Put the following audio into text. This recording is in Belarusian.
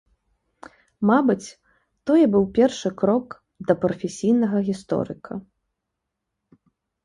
Мабыць, тое быў першы крок да прафесійнага гісторыка.